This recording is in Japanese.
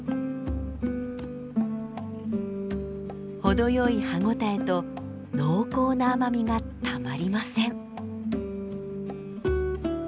ほどよい歯応えと濃厚な甘みがたまりません。